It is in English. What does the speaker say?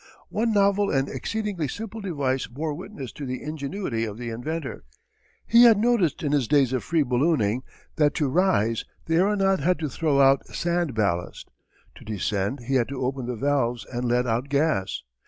One novel and exceedingly simple device bore witness to the ingenuity of the inventor. He had noticed in his days of free ballooning that to rise the aeronaut had to throw out sand ballast; to descend he had to open the valves and let out gas.